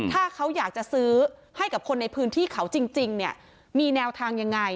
ถ้าเขาอยากจะซื้อให้กับคนในพื้นที่เขาจริงเนี่ยมีแนวทางยังไง